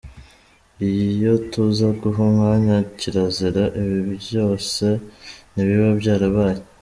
Iyo tuza guha umwanya kirazira, ibi byose ntibiba byarabaye.